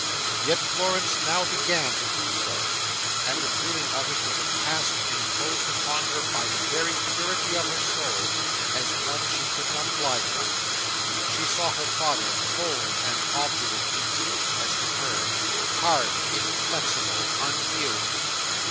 Yet Florence now began to do so; and the doing of it was a task imposed upon her by the very purity of her soul, as one she could not fly from. She saw her father cold and obdurate to Edith, as to her; hard, inflexible, unyielding.